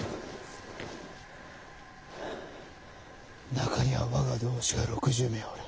中には我が同志が６０名おる。